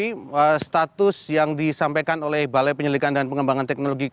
ini status yang disampaikan oleh balai penyelidikan dan pengembangan teknologi